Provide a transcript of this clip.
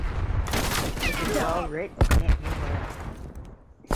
It is well written and humorous.